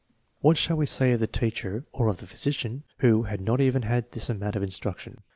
What shall we say of the teacher or of the physician who has not even had this amount of instruction?